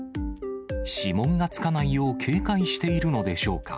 指紋がつかないよう、警戒しているのでしょうか。